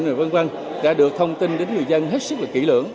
rồi vân vân đã được thông tin đến người dân hết sức là kỹ lưỡng